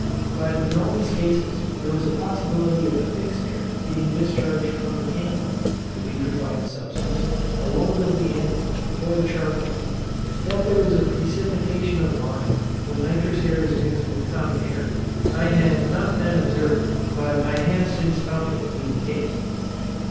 But, in all these cases, there was a possibility of the fixed air being discharged from the candle, the putrefying substance, the lungs of the animal, or the charcoal. That there is a precipitation of lime when nitrous air is mixed with common air, I had not then observed, but I have since found it to be the case.